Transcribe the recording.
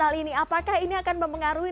kali ini apakah ini akan mempengaruhi